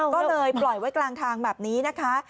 ก็เลยปล่อยไว้กลางทางแบบนี้นะคะ